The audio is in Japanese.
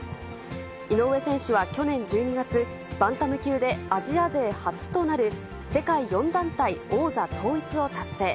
井上選手は去年１２月、バンタム級でアジア勢初となる、世界４団体王座統一を達成。